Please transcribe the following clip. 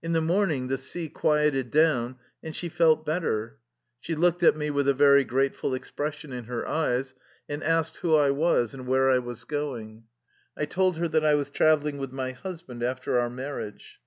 In the morning the sea quieted down and she felt better. She looked at me with a very grateful expression in her eyes, and asked who I was and where I was going. I told her that I was trav eling with my husband after our marriage.